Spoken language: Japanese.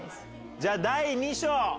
じゃあ、第２章。